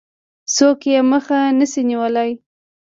څوک يې مخه نه شي نيولای.